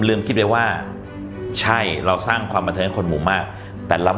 คิดไว้ว่าใช่เราสร้างความบันเทิงให้คนหมู่มากแต่ล้ำ